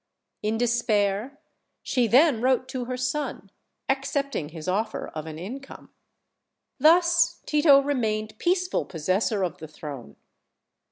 In despair, she then wrote to her son, accepting his offer of an income. Thus Tito remained peaceful possessor of the throne.